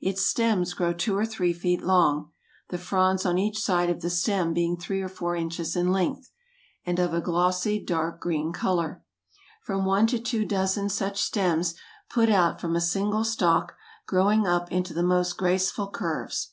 Its stems grow two or three feet long; the fronds on each side of the stem being three or four inches in length, and of a glossy dark green color. From one to two dozen such stems put out from a single stalk, growing up into the most graceful curves.